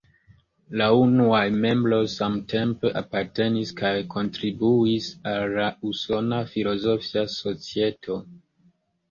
La unuaj membroj samtempe apartenis kaj kontribuis al la Usona Filozofia Societo.